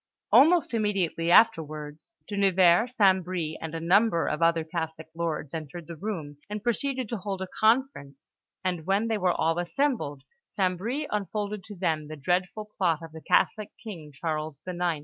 Almost immediately afterwards, De Nevers, St. Bris, and a number of other Catholic lords entered the room, and proceeded to hold a conference; and when they were all assembled, St. Bris unfolded to them the dreadful plot of the Catholic King, Charles IX.